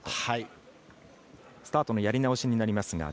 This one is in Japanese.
スタートのやり直しになります。